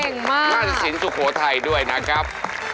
เก่งมากนะครับล่านสินสุโขทัยด้วยนะครับ